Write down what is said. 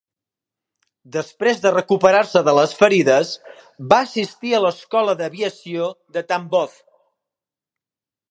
Després de recuperar-se de les ferides, va assistir a l'Escola d'Aviació de Tambov.